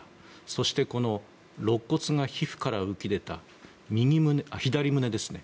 そして、肋骨が皮膚から浮き出た左胸ですね。